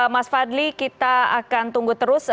mas fadli kita akan tunggu terus